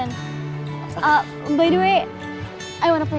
btw aku mau bayar uangmu berapa